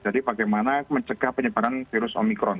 jadi bagaimana mencegah penyebaran virus omikron